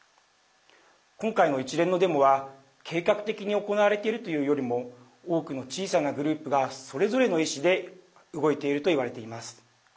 今回の一連のデモは、計画的に行われているというよりも多くの小さなグループがそれぞれの意志で動いているといわれています。